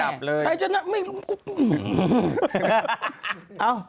แม่ใครจะนับแม่ก็